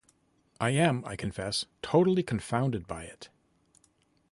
I am, I confess, totally confounded by it.